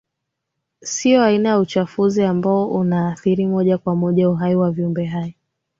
Sio aina ya uchafuzi ambao unaathiri moja kwa moja uhai wa viumbe hai